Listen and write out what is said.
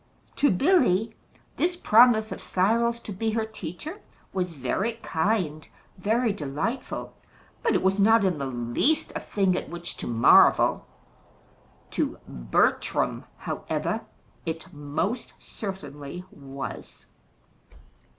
To Billy, this promise of Cyril's to be her teacher was very kind, very delightful; but it was not in the least a thing at which to marvel. To Bertram, however, it most certainly was.